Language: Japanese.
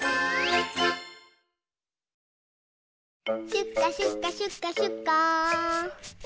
シュッカシュッカシュッカシュッカー。